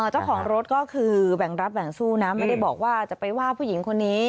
เจ้าของรถก็คือแบ่งรับแบ่งสู้นะไม่ได้บอกว่าจะไปว่าผู้หญิงคนนี้